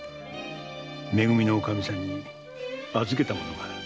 め組のおかみさんに預けたものがある。